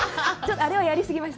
あれはやり過ぎました。